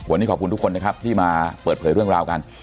วันนี้ขอบคุณทุกคนนะครับที่มาเปิดเผยเรื่องราวกัน